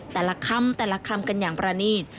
แต่ละคำแต่ละคำกันอย่างประนีต